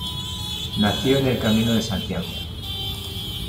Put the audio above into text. Nació en el Camino de Santiago.